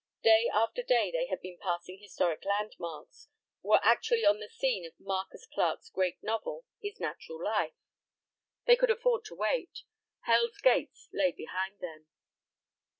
Day after day they had been passing historic landmarks, were actually on the scene of Marcus Clarke's great novel, His Natural Life. They could afford to wait: "Hell's Gates" lay behind them.